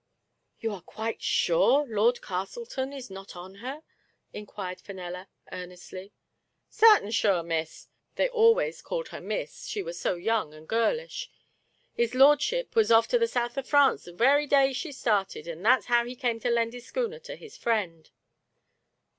"You are quite sure Lord Castleton is not on her ?*' inquired Fenella, earnestly. " Sartin sure. Miss — they always called her "Miss," she was so young and girlish! — "his lordship was ofif to the south of France the werry day she started, and that's how he came to lend his schooner to his friend."